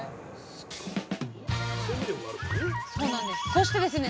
そしてですね